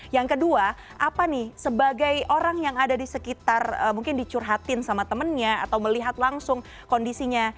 yang kedua apa nih sebagai orang yang ada di sekitar mungkin dicurhatin sama temennya atau melihat langsung kondisinya